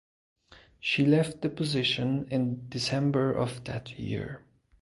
She left the position in December of that year.